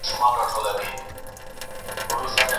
ږغ مي اوری؟ دا زما چیغي در رسیږي؟